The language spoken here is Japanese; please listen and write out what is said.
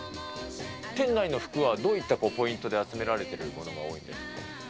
店内の服はどういったポイントで集められてるものが多いんですか。